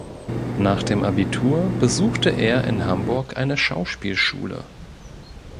Nach dem Abitur besuchte er in Hamburg eine Schauspielschule.